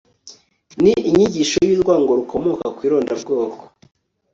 ni inyigisho y'urwango rukomoka ku irondabwoko